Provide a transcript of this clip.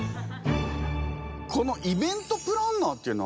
このイベントプランナーっていうのは何ですか？